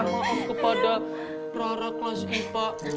maaf kepada rara kelas ipa